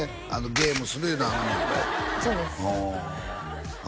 ゲームするいうのはあのメンバーそうですああ